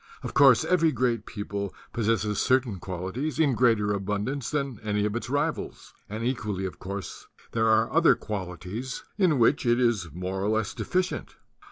Of course, every great people pos sesses certain qualities in greater abundance than any of its rivals; and equally of course there are other qualities in which it is more or less de ficient.